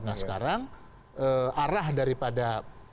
nah sekarang arah daripada